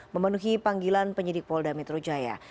memenuhi panggilan penyidik polda metro jaya